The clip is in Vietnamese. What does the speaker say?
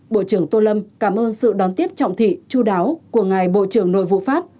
bộ trưởng tô lâm cảm ơn sự đón tiếp trọng thị chú đáo của ngài bộ trưởng nội vụ pháp